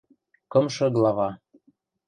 КЫМШЫ ГЛАВА